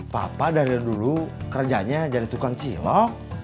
papa dari dulu kerjanya jadi tukang cilok